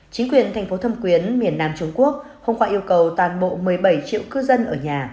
chính quyền thành phố thâm quyến miền nam trung quốc hôm qua yêu cầu toàn bộ một mươi bảy triệu cư dân ở nhà